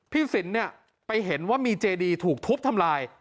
สินเนี่ยไปเห็นว่ามีเจดีถูกทุบทำลาย